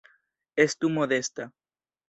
Estu modesta.